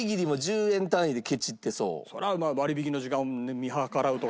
そりゃ割引の時間を見計らうとか。